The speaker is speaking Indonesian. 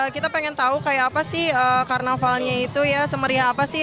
kita pengen tahu kayak apa sih karnavalnya itu ya semeriah apa sih